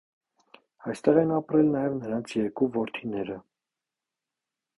Այստեղ են ապրել նաև նրանց երկու որդիները։